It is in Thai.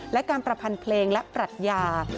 และการประพันธ์เพลงและปรัชญา